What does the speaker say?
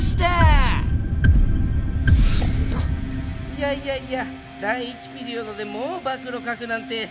いやいやいや第１ピリオドでもう暴露書くなんて。